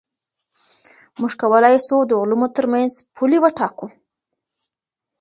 موږ کولای سو د علومو ترمنځ پولي وټاکو.